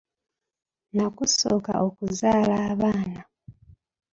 Nakusooka okuzaala abaana.